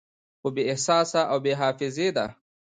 خو بې احساسه او بې حافظې ده